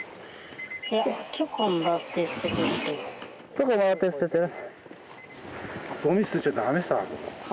許可もらって捨ててる？